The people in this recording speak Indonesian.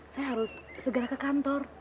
saya harus segera ke kantor